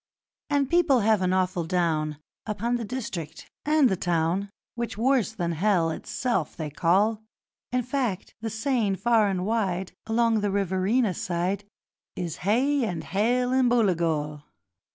'And people have an awful down Upon the district and the town Which worse than hell itself they call; In fact, the saying far and wide Along the Riverina side Is "Hay and Hell and Booligal".